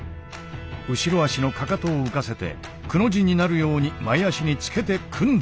後ろ足のかかとを浮かせて「く」の字になるように前足につけて組んでいる。